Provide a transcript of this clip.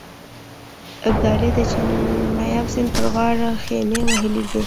ابدالي د چیناب سیند پر غاړه خېمې وهلې دي.